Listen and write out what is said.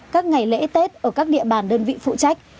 các ngày lễ tết ở các địa bàn đơn vị phụ trách